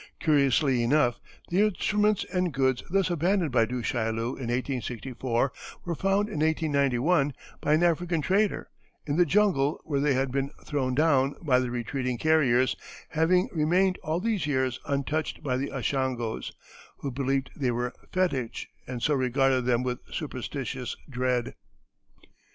Curiously enough the instruments and goods thus abandoned by Du Chaillu in 1864, were found in 1891, by an African trader, in the jungle where they had been thrown down by the retreating carriers, having remained all these years untouched by the Ashangos, who believed they were fetich and so regarded them with superstitious dread.